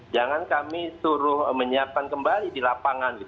jangan kami suruh menyiapkan kembali di lapangan